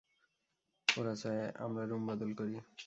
ওরা চায় আমরা রুম বদল করি।